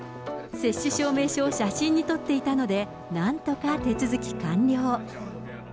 接種証明書を写真に撮っていたので、なんとか手続き完了。